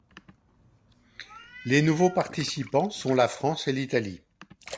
Les nouveaux participants sont le France et l'Italie.